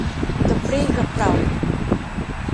กระปรี้กระเปร่า